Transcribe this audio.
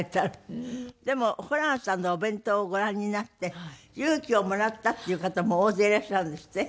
でもホランさんのお弁当をご覧になって勇気をもらったっていう方も大勢いらっしゃるんですって？